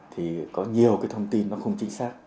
thì có nhiều thông tin không chính xác